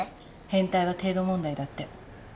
変態は程度問題だって。